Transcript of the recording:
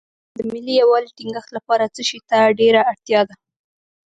د ملي یووالي ټینګښت لپاره څه شی ته ډېره اړتیا ده.